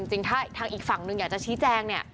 จริงถ้าทางอีกฝั่งหนึ่งอยากจะชี้แจงเนี่ย